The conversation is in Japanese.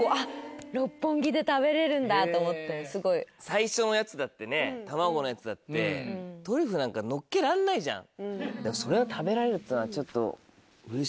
最初のやつだってね卵のやつだってトリュフなんかのっけらんないじゃん。